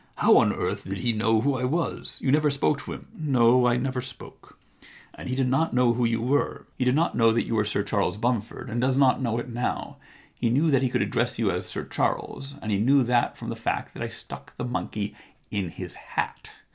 * How on earth did he know who I was ? You never spoke to him ?'* No, I never spoke. And he did not know who you were. He did not know that you were Sir Charles Bunford, and does not know it now. He knew that he could address you as Sir Charles, and he knew that from the fact that I stuck the monkey in his hat.